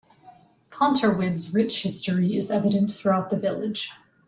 Ponterwyd's rich history is evident throughout the village.